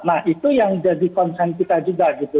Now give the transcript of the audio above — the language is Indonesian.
nah itu yang jadi concern kita juga gitu